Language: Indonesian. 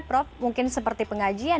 prof mungkin seperti pengajian